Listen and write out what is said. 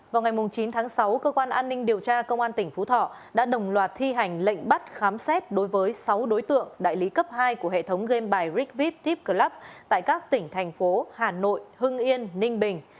vào ngày chín tháng sáu cơ quan an ninh điều tra công an tỉnh phú thọ đã đồng loạt thi hành lệnh bắt khám xét đối với sáu đối tượng đại lý cấp hai của hệ thống game bài rickview tipclub tại các tỉnh thành phố hà nội hưng yên ninh bình